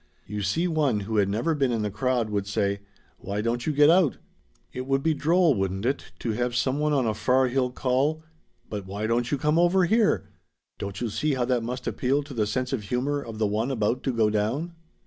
You see one who had never been in the crowd would say 'Why don't you get out?' It would be droll, wouldn't it, to have some one on a far hill call 'But why don't you come over here?' Don't you see how that must appeal to the sense of humor of the one about to go down?"